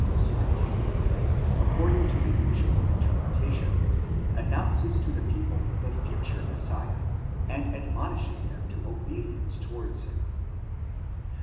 15), according to the usual interpretation, announces to the people the future Messiah, and admonishes them to obedience towards him.!